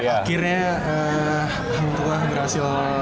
akhirnya hang tuah berhasil